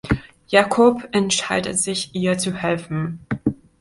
Jakob entscheidet sich, ihr zu helfen.